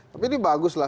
tapi ini bagus lah